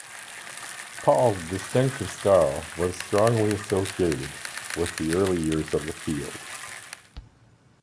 Paul's distinctive style was strongly associated with the early years of the field.